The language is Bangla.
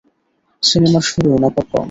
সিনেমার শুরু না পপকর্ন?